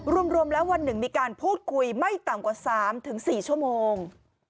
รวมแล้ววันหนึ่งมีการพูดคุยไม่ต่ำกว่า๓๔ชั่วโมง